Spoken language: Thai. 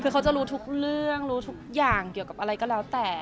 คือเขาจะรู้ทุกเรื่องรู้ทุกอย่างเกี่ยวกับอะไรก็แล้วแต่